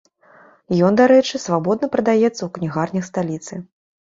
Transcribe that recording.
Ён, дарэчы, свабодна прадаецца ў кнігарнях сталіцы.